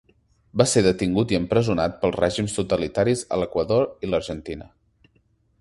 Va ser detingut i empresonat pels règims totalitaris a l’Equador i l’Argentina.